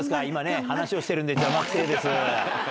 今ね話をしてるんで。